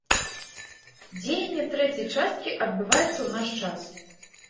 Дзеянне трэцяй часткі адбываецца ў наш час.